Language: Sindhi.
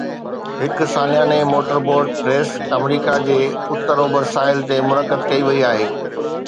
هڪ سالياني موٽر بوٽ ريس آمريڪا جي اتر اوڀر ساحل تي منعقد ڪئي وئي آهي